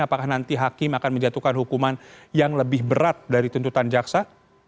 apakah nanti hakim akan menjatuhkan hukuman yang lebih berat dari tuntutan jaksa